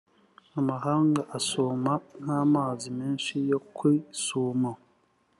amahanga asuma nk’amazi menshi yo ku isumo